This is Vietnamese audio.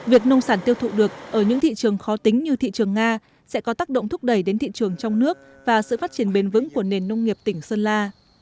việc nông sản tiêu thụ được ở những thị trường khó tính như thị trường nga sẽ có tác động thúc đẩy đến thị trường trong nước và sự phát triển bền vững của nền nông nghiệp tỉnh sơn la